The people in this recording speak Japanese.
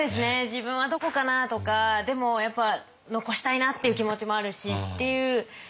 自分はどこかなとかでもやっぱ残したいなっていう気持ちもあるしっていうのはありますよね。